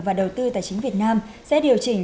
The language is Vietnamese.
và đầu tư tài chính việt nam sẽ điều chỉnh